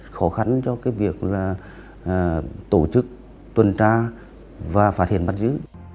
khó khăn cho cái việc là tổ chức tuần tra và phát hiện bắt giữ